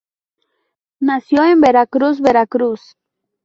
Nació en Veracruz, Veracruz.